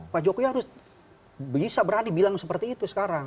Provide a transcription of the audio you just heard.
pak jokowi harus bisa berani bilang seperti itu sekarang